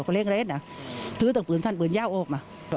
ก็เล้งไหลถือตังค์ปืนสั้นปืนยาวโอกมา